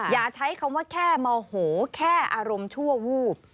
อย่าใช้คำว่าแค่โมโหแค่อารมณ์ชั่ววูบ